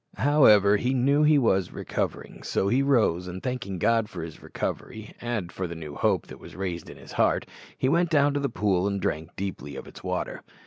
However, he knew he was recovering, so he rose, and thanking God for his recovery, and for the new hope that was raised in his heart, he went down to the pool and drank deeply of its water.